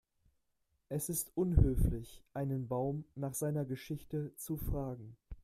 Es ist unhöflich, einen Baum nach seiner Geschichte zu fragen.